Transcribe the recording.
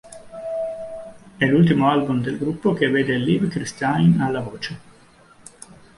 È l'ultimo album del gruppo che vede Liv Kristine alla voce.